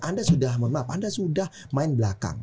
anda sudah mohon maaf anda sudah main belakang